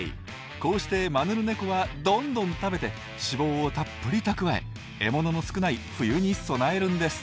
こうしてマヌルネコはどんどん食べて脂肪をたっぷり蓄え獲物の少ない冬に備えるんです。